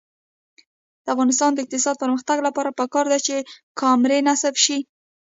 د افغانستان د اقتصادي پرمختګ لپاره پکار ده چې کامرې نصب شي.